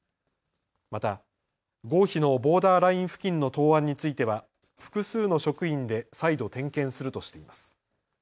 また合否のボーダーライン付近の答案については複数の職員で再度点検するとしています。